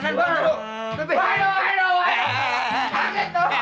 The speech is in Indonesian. aduh aduh aduh aduh